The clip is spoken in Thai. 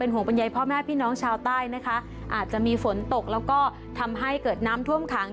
ห่วงบรรยายพ่อแม่พี่น้องชาวใต้นะคะอาจจะมีฝนตกแล้วก็ทำให้เกิดน้ำท่วมขัง